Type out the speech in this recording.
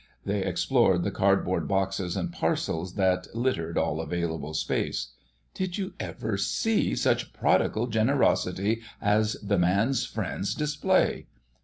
They explored the cardboard boxes and parcels that littered all available space. "Did you ever see such prodigal generosity as the man's friends display!